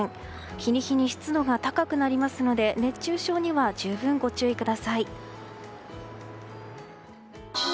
日に日に湿度が高くなりますので熱中症には十分ご注意ください。